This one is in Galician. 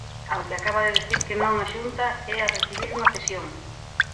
Ao que acaba de dicir que non a Xunta é a recibir unha cesión.